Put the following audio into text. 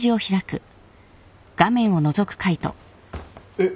えっ！